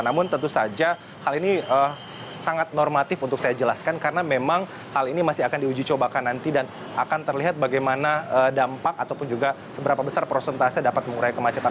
namun tentu saja hal ini sangat normatif untuk saya jelaskan karena memang hal ini masih akan diuji cobakan nanti dan akan terlihat bagaimana dampak ataupun juga seberapa besar prosentase dapat mengurai kemacetan